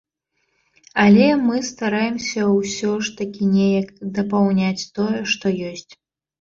Але мы стараемся ўсё ж такі неяк дапаўняць тое, што ёсць.